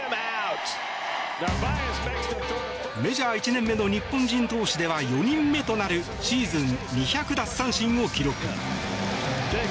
メジャー１年目の日本人投手では４人目となるシーズン２００奪三振を記録。